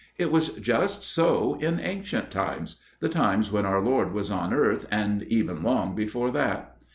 It was just so in ancient times the times when our Lord was on earth, and even long before that.